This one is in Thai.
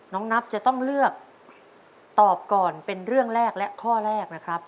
นับจะต้องเลือกตอบก่อนเป็นเรื่องแรกและข้อแรกนะครับ